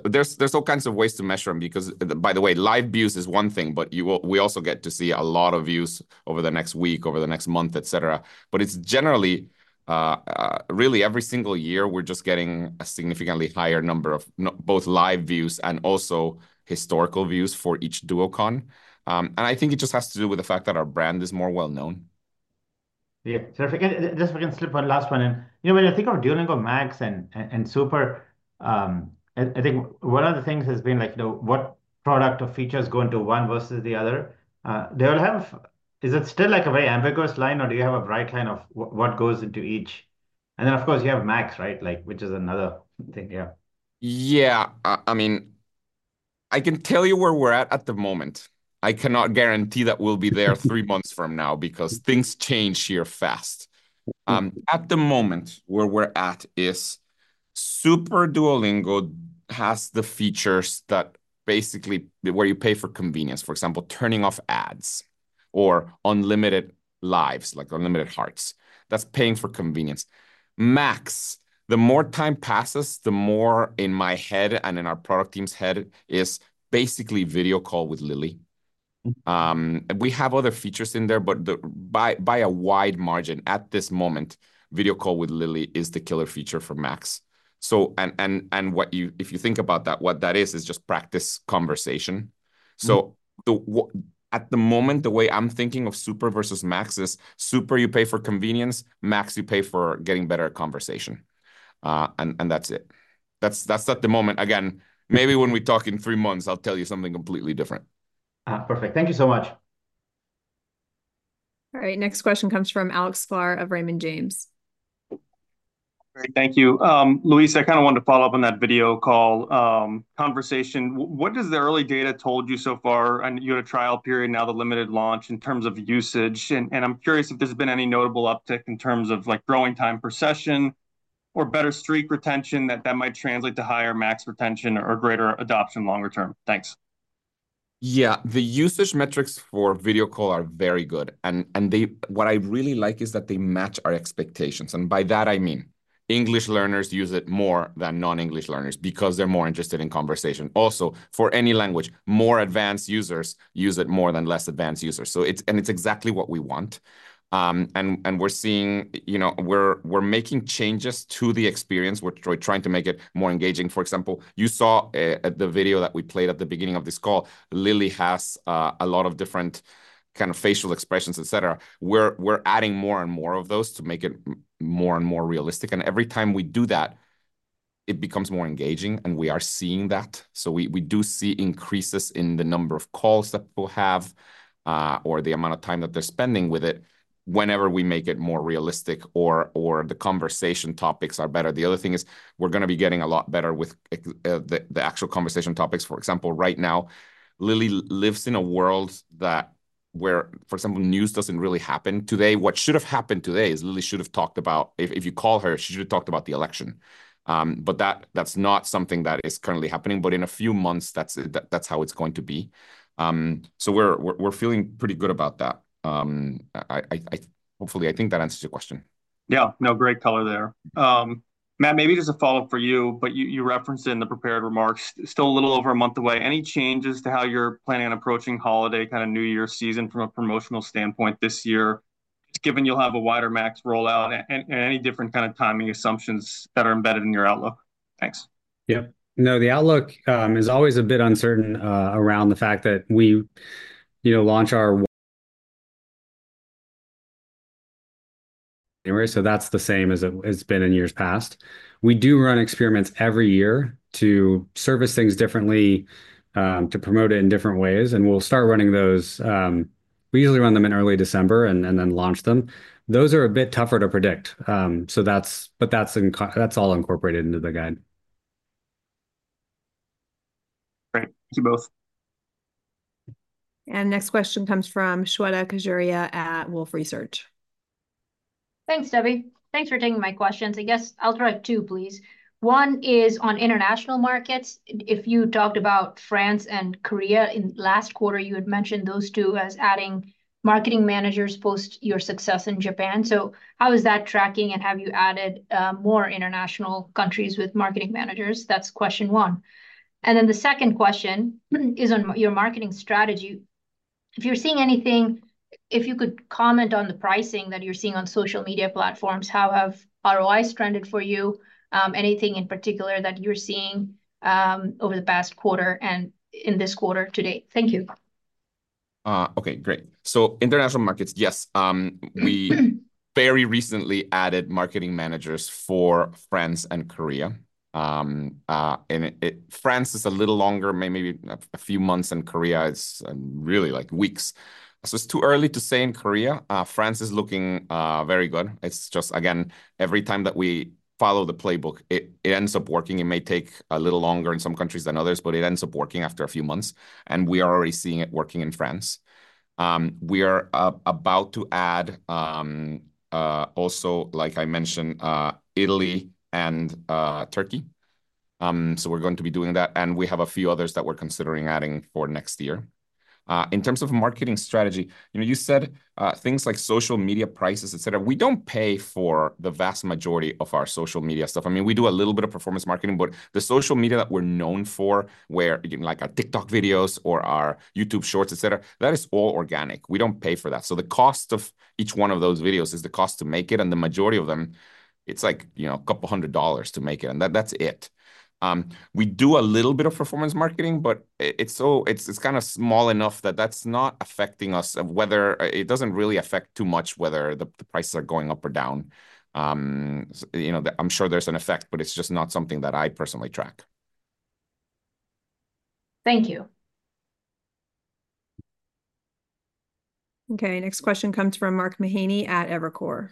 there's all kinds of ways to measure them. Because by the way, live views is one thing, but we also get to see a lot of views over the next week, over the next month, et cetera, but it's generally really every single year, we're just getting a significantly higher number of both live views and also historical views for each DuoCon, and I think it just has to do with the fact that our brand is more well-known. Yeah. Terrific. Just we can skip on the last one. And when you think of Duolingo Max and Super, I think one of the things has been what product or features go into one versus the other. Is it still like a very ambiguous line? Or do you have a bright line of what goes into each? And then, of course, you have Max, right, which is another thing. Yeah. Yeah. I mean, I can tell you where we're at at the moment. I cannot guarantee that we'll be there three months from now because things change here fast. At the moment, where we're at is Super Duolingo has the features that basically where you pay for convenience. For example, turning off ads or unlimited lives, like unlimited hearts. That's paying for convenience. Max, the more time passes, the more in my head and in our product team's head is basically Video Call with Lily. We have other features in there. But by a wide margin at this moment, Video Call with Lily is the killer feature for Max. And if you think about that, what that is is just practice conversation. So at the moment, the way I'm thinking of Super versus Max is Super you pay for convenience. Max, you pay for getting better conversation. And that's it. That's at the moment. Again, maybe when we talk in three months, I'll tell you something completely different. Perfect. Thank you so much. All right. Next question comes from Alex Sklar of Raymond James. Thank you. Luis, I kind of wanted to follow up on that video call conversation. What does the early data told you so far? And you had a trial period. Now the limited launch in terms of usage. And I'm curious if there's been any notable uptick in terms of growing time per session or better streak retention that might translate to higher Max retention or greater adoption longer term. Thanks. Yeah. The usage metrics for video call are very good. And what I really like is that they match our expectations. And by that, I mean English learners use it more than non-English learners because they're more interested in conversation. Also, for any language, more advanced users use it more than less advanced users. And it's exactly what we want. And we're making changes to the experience. We're trying to make it more engaging. For example, you saw the video that we played at the beginning of this call. Lily has a lot of different kind of facial expressions, et cetera. We're adding more and more of those to make it more and more realistic. And every time we do that, it becomes more engaging. And we are seeing that. So we do see increases in the number of calls that people have or the amount of time that they're spending with it whenever we make it more realistic or the conversation topics are better. The other thing is we're going to be getting a lot better with the actual conversation topics. For example, right now, Lily lives in a world where, for example, news doesn't really happen today. What should have happened today is Lily should have talked about if you call her, she should have talked about the election. But that's not something that is currently happening. But in a few months, that's how it's going to be. So we're feeling pretty good about that. Hopefully, I think that answers your question. Yeah. No, great color there. Matt, maybe just a follow-up for you, but you referenced in the prepared remarks, still a little over a month away. Any changes to how you're planning on approaching holiday kind of New Year's season from a promotional standpoint this year, just given you'll have a wider Max rollout and any different kind of timing assumptions that are embedded in your outlook? Thanks. Yeah. No, the outlook is always a bit uncertain around the fact that we launch our January, so that's the same as it's been in years past. We do run experiments every year to service things differently, to promote it in different ways, and we'll start running those. We usually run them in early December and then launch them. Those are a bit tougher to predict, but that's all incorporated into the guide. Great. Thank you both. Next question comes from Shweta Khajuria at Wolfe Research. Thanks, Debbie. Thanks for taking my questions. I guess I'll ask two, please. One is on international markets. If you talked about France and Korea last quarter, you had mentioned those two as adding marketing managers post your success in Japan. So how is that tracking? And have you added more international countries with marketing managers? That's question one. And then the second question is on your marketing strategy. If you're seeing anything, if you could comment on the pricing that you're seeing on social media platforms, how have ROIs trended for you? Anything in particular that you're seeing over the past quarter and in this quarter today? Thank you. Okay. Great. So international markets, yes. We very recently added marketing managers for France and Korea. And France is a little longer, maybe a few months. And Korea is really like weeks. So it's too early to say in Korea. France is looking very good. It's just, again, every time that we follow the playbook, it ends up working. It may take a little longer in some countries than others. But it ends up working after a few months. And we are already seeing it working in France. We are about to add also, like I mentioned, Italy and Turkey. So we're going to be doing that. And we have a few others that we're considering adding for next year. In terms of marketing strategy, you said things like social media prices, et cetera. We don't pay for the vast majority of our social media stuff. I mean, we do a little bit of performance marketing. But the social media that we're known for, like our TikTok videos or our YouTube Shorts, et cetera, that is all organic. We don't pay for that. So the cost of each one of those videos is the cost to make it. And the majority of them, it's like $200 to make it. And that's it. We do a little bit of performance marketing. But it's kind of small enough that that's not affecting us. It doesn't really affect too much whether the prices are going up or down. I'm sure there's an effect. But it's just not something that I personally track. Thank you. Okay. Next question comes from Mark Mahaney at Evercore.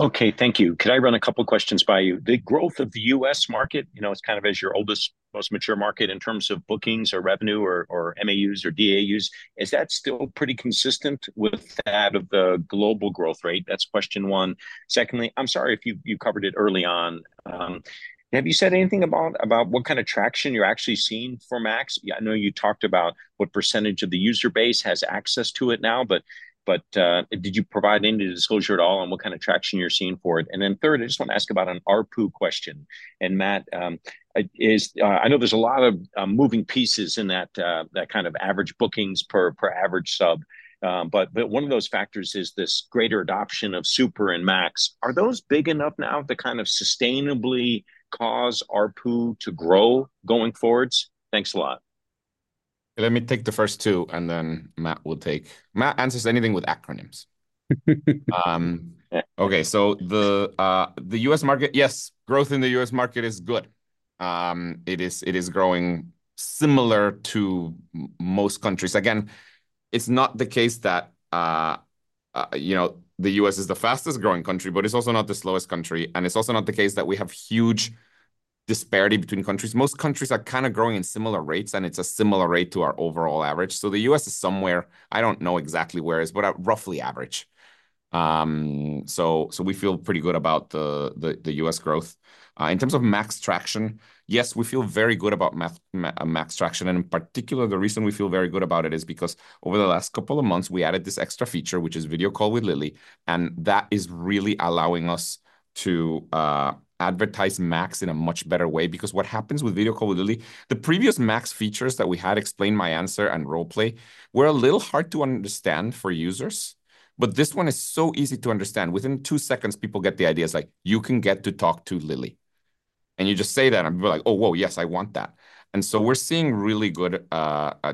Okay. Thank you. Could I run a couple of questions by you? The growth of the U.S. market, it's kind of your oldest, most mature market in terms of bookings or revenue or MAUs or DAUs. Is that still pretty consistent with that of the global growth rate? That's question one. Secondly, I'm sorry if you covered it early on. Have you said anything about what kind of traction you're actually seeing for Max? I know you talked about what percentage of the user base has access to it now. But did you provide any disclosure at all on what kind of traction you're seeing for it? And then third, I just want to ask about an ARPU question. And Matt, I know there's a lot of moving pieces in that kind of average bookings per average sub. But one of those factors is this greater adoption of Super and Max. Are those big enough now to kind of sustainably cause ARPU to grow going forwards? Thanks a lot. Let me take the first two, and then Matt will take. Matt answers anything with acronyms. Okay, so the U.S. market, yes, growth in the U.S. market is good. It is growing similar to most countries. Again, it's not the case that the U.S. is the fastest growing country, but it's also not the slowest country, and it's also not the case that we have huge disparity between countries. Most countries are kind of growing in similar rates, and it's a similar rate to our overall average, so the U.S. is somewhere. I don't know exactly where it is, but roughly average, so we feel pretty good about the U.S. growth. In terms of Max traction, yes, we feel very good about Max traction. And in particular, the reason we feel very good about it is because over the last couple of months, we added this extra feature, which is Video Call with Lily. And that is really allowing us to advertise Max in a much better way. Because what happens with Video Call with Lily, the previous Max features that we had, Explain My Answer and Role Play, were a little hard to understand for users. But this one is so easy to understand. Within two seconds, people get the idea. It's like you can get to talk to Lily. And you just say that. And people are like, oh, whoa, yes, I want that. And so we're seeing really good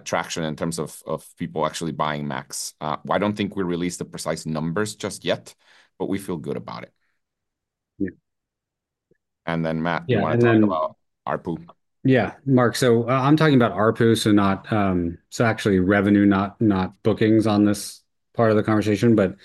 traction in terms of people actually buying Max. I don't think we released the precise numbers just yet. But we feel good about it. And then, Matt, you want to talk about ARPU? Yeah. Mark, so I'm talking about ARPU. So actually revenue, not bookings on this part of the conversation. But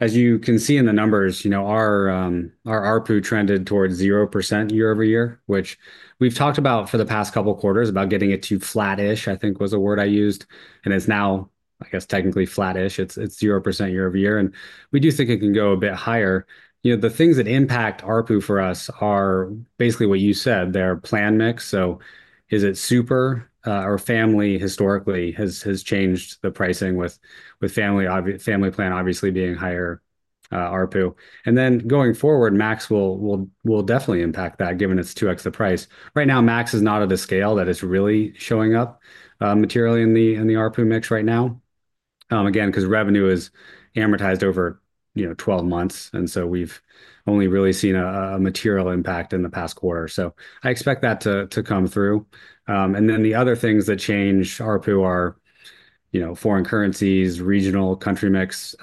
as you can see in the numbers, our ARPU trended towards 0% year over year, which we've talked about for the past couple of quarters, about getting it too flattish, I think was a word I used. And it's now, I guess, technically flattish. It's 0% year over year. And we do think it can go a bit higher. The things that impact ARPU for us are basically what you said. They're plan mix. So is it Super? Our family historically has changed the pricing with family plan, obviously being higher ARPU. And then going forward, Max will definitely impact that, given it's 2x the price. Right now, Max is not at a scale that is really showing up materially in the ARPU mix right now. Again, because revenue is amortized over 12 months, and so we've only really seen a material impact in the past quarter, so I expect that to come through, and then the other things that change ARPU are foreign currencies, regional country mix,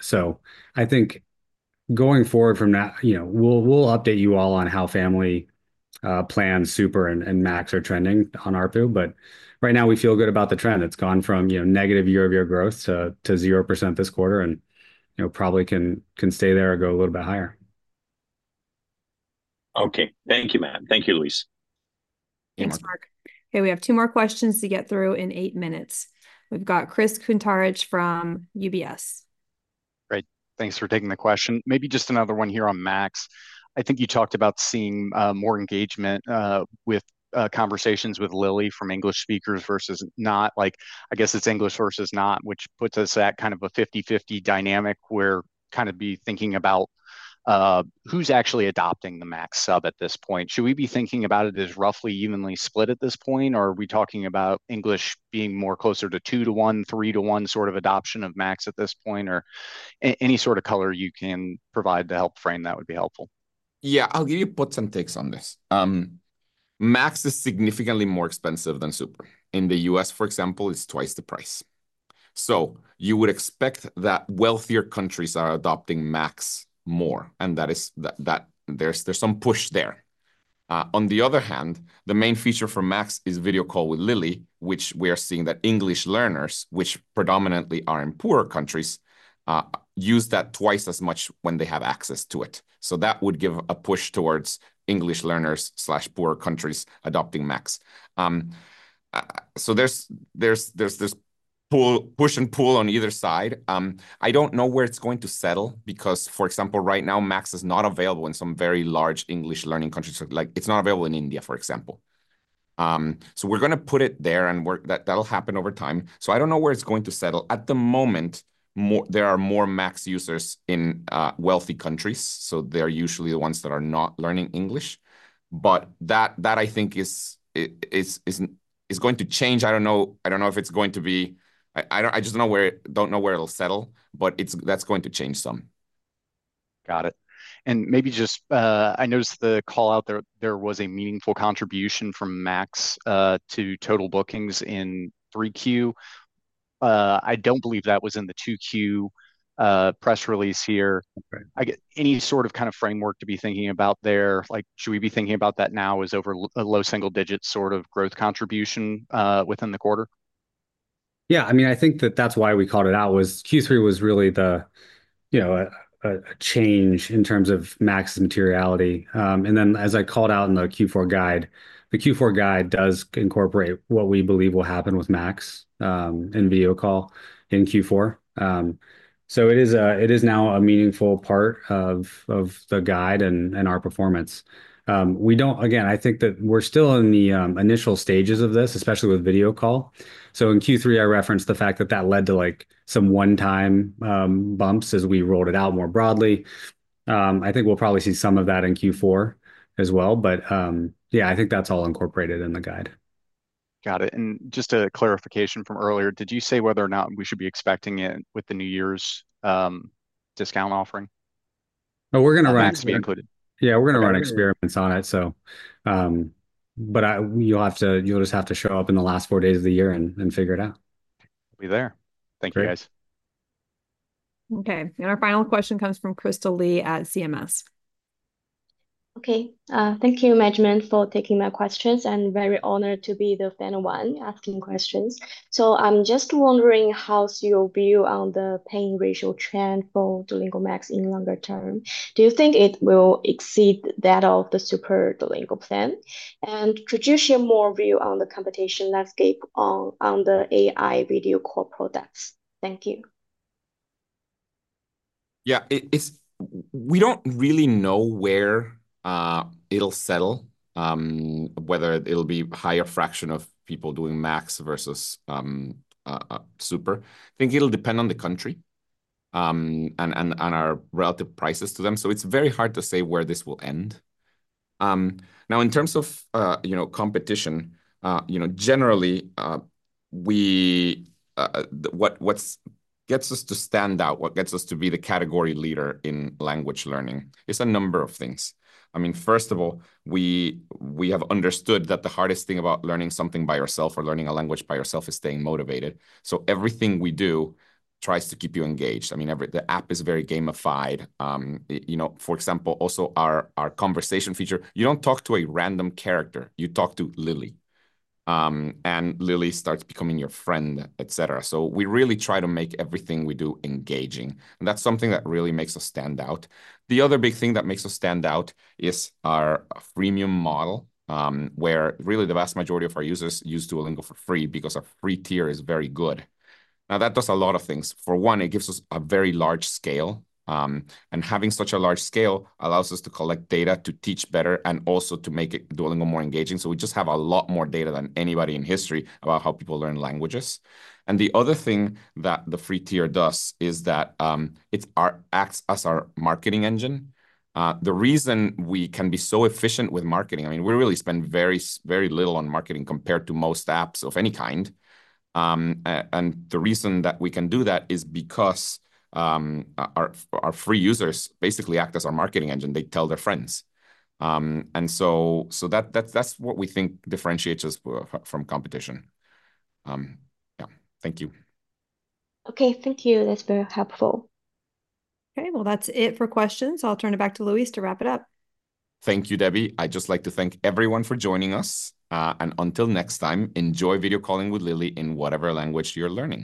so I think going forward from that, we'll update you all on how family plan, Super, and Max are trending on ARPU, but right now, we feel good about the trend. It's gone from negative year over year growth to 0% this quarter, and probably can stay there or go a little bit higher. Okay. Thank you, Matt. Thank you, Luis. Thanks, Mark. Hey, we have two more questions to get through in eight minutes. We've got Chris Kuntarich from UBS. Great. Thanks for taking the question. Maybe just another one here on Max. I think you talked about seeing more engagement with conversations with Lily from English speakers versus not. I guess it's English versus not, which puts us at kind of a 50/50 dynamic where kind of be thinking about who's actually adopting the Max sub at this point. Should we be thinking about it as roughly evenly split at this point? Or are we talking about English being more closer to 2 to 1, 3 to 1 sort of adoption of Max at this point? Or any sort of color you can provide to help frame that would be helpful. Yeah. I'll give you my take on this. Max is significantly more expensive than Super. In the U.S., for example, it's twice the price. So you would expect that wealthier countries are adopting Max more. And there's some push there. On the other hand, the main feature for Max is Video Call with Lily, which we are seeing that English learners, which predominantly are in poorer countries, use that twice as much when they have access to it. So that would give a push towards English learners/poorer countries adopting Max. So there's push and pull on either side. I don't know where it's going to settle. Because, for example, right now, Max is not available in some very large English learning countries. It's not available in India, for example. So we're going to put it there. And that'll happen over time. So I don't know where it's going to settle. At the moment, there are more Max users in wealthy countries. So they're usually the ones that are not learning English. But that, I think, is going to change. I just don't know where it'll settle. But that's going to change some. Got it. And maybe just, I noticed the call out there. There was a meaningful contribution from Max to total bookings in 3Q. I don't believe that was in the 2Q press release here. Any sort of kind of framework to be thinking about there? Should we be thinking about that now as over a low single digit sort of growth contribution within the quarter? Yeah. I mean, I think that that's why we called it out was Q3 was really a change in terms of Max's materiality. And then as I called out in the Q4 guide, the Q4 guide does incorporate what we believe will happen with Max and video call in Q4. So it is now a meaningful part of the guide and our performance. Again, I think that we're still in the initial stages of this, especially with video call. So in Q3, I referenced the fact that that led to some one-time bumps as we rolled it out more broadly. I think we'll probably see some of that in Q4 as well. But yeah, I think that's all incorporated in the guide. Got it. And just a clarification from earlier, did you say whether or not we should be expecting it with the New Year's discount offering? No, we're going to run experiments. Max be included. Yeah. We're going to run experiments on it. But you'll just have to show up in the last four days of the year and figure it out. We'll be there. Thank you, guys. Okay. And our final question comes from Krystal Li at CMS. Okay. Thank you, Matt, for taking my questions. And very honored to be the final one asking questions. So I'm just wondering how's your view on the paying ratio trend for Duolingo Max in longer term? Do you think it will exceed that of the Super Duolingo plan? And could you share more view on the competition landscape on the AI video call products? Thank you. Yeah. We don't really know where it'll settle, whether it'll be a higher fraction of people doing Max versus Super. I think it'll depend on the country and our relative prices to them. So it's very hard to say where this will end. Now, in terms of competition, generally, what gets us to stand out, what gets us to be the category leader in language learning, is a number of things. I mean, first of all, we have understood that the hardest thing about learning something by yourself or learning a language by yourself is staying motivated. So everything we do tries to keep you engaged. I mean, the app is very gamified. For example, also our conversation feature, you don't talk to a random character. You talk to Lily. And Lily starts becoming your friend, et cetera. So we really try to make everything we do engaging. That's something that really makes us stand out. The other big thing that makes us stand out is our freemium model, where really the vast majority of our users use Duolingo for free because our free tier is very good. Now, that does a lot of things. For one, it gives us a very large scale. Having such a large scale allows us to collect data to teach better and also to make Duolingo more engaging. We just have a lot more data than anybody in history about how people learn languages. The other thing that the free tier does is that it acts as our marketing engine. The reason we can be so efficient with marketing, I mean, we really spend very, very little on marketing compared to most apps of any kind. And the reason that we can do that is because our free users basically act as our marketing engine. They tell their friends. And so that's what we think differentiates us from competition. Yeah. Thank you. Okay. Thank you. That's very helpful. Okay. Well, that's it for questions. I'll turn it back to Luis to wrap it up. Thank you, Debbie. I'd just like to thank everyone for joining us. And until next time, enjoy video calling with Lily in whatever language you're learning.